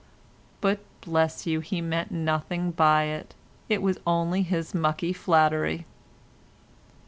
But, bless you, he meant nothing by it, it was only his mucky flattery."